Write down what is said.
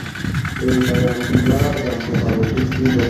এই উপায়ে আমরা জানতে পারব ঠিক কী ঘটবে।